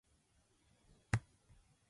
たたかうマヌカハニー